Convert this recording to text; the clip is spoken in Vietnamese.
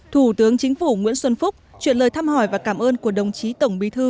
thủ tướng chính phủ nguyễn xuân phúc chuyện lời thăm hỏi và cảm ơn của đồng chí tổng bí thư